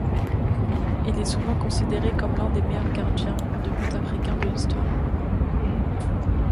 Il est souvent considéré comme l'un des meilleurs gardiens de but africains de l'histoire.